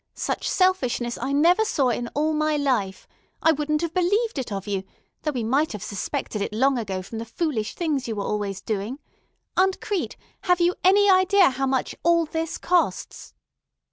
Such selfishness I never saw in all my life. I wouldn't have believed it of you, though we might have suspected it long ago from the foolish things you were always doing. Aunt Crete, have you any idea how much all this costs?"